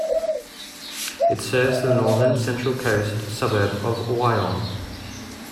It serves the northern Central Coast suburb of Wyong.